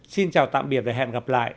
xin chào tạm biệt và hẹn gặp lại